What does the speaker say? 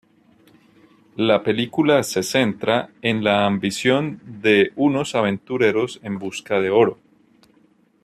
La película se centra en la ambición de unos aventureros en busca de oro.